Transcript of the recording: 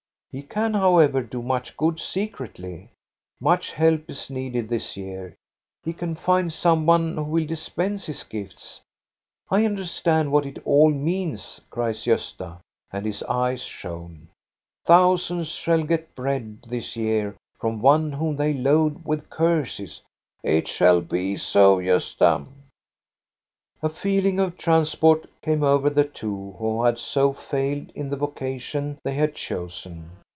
"" He can however do much good secretly. Much help is needed this year. He can find some one who will dispense his gifts. I understand what it all means," cries Gosta, and his eyes shone. " Thousands shall get bread this year from one whom they load with curses." " It shall be so, Gosta." A feeling of transport came over the two who had so failed in the vocation they had chosen.